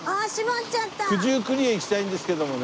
九十九里へ行きたいんですけどもね。